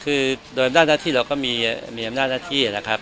คือโดยหน้าที่เราก็มีอำนาจหน้าที่นะครับ